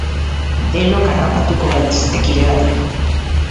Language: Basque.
Denok harrapatuko gaitiztek hiregatik!.